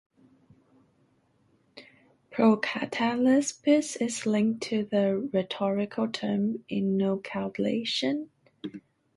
Procatalepsis is linked to the rhetorical term inoculation.